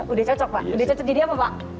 udah cocok pak jadi apa pak